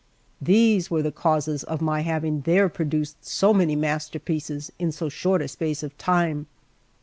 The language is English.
These were the causes of my having there produced so many masterpieces in so short a space of time.